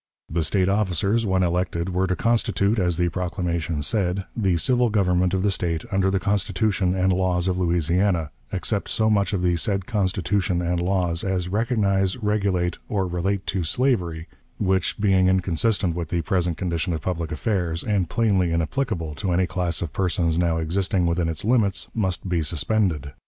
The State officers, when elected, were to constitute, as the proclamation said, "the civil government of the State under the Constitution and laws of Louisiana, except so much of the said Constitution and laws as recognize, regulate, or relate to slavery, which, being inconsistent with the present condition of public affairs, and plainly inapplicable to any class of persons now existing within its limits, must be suspended."